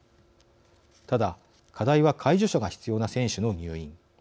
ただ、課題は介助者が必要な選手の入院。